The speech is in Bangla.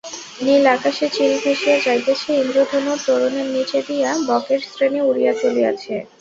নীল আকাশে চিল ভাসিয়া যাইতেছে–ইন্দ্রধনুর তোরণের নীচে দিয়া বকের শ্রেণী উড়িয়া চলিয়াছে।